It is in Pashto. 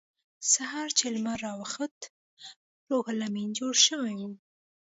سهار چې لمر راوخوت روح لامین جوړ شوی و